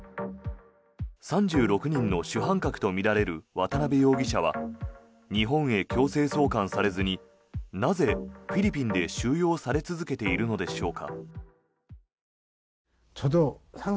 ３６人の主犯格とみられる渡邉容疑者は日本へ強制送還されずになぜ、フィリピンで収容され続けているのでしょうか。